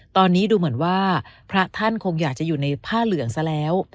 ตอนนี้ดูเหมือนว่าพระท่านคงอยากจะอยู่ในผ้าเหลืองซะแล้ว